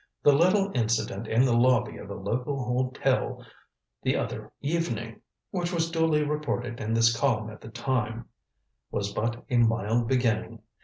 The little incident in the lobby of a local hotel the other evening which was duly reported in this column at the time was but a mild beginning.